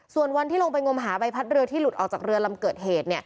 ส่วนวันที่ลงไปงมหาใบพัดเรือที่หลุดออกจากเรือลำเกิดเหตุ